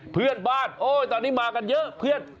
เพื่อนบ้านโอ้ยตอนนี้มากันเยอะเพื่อน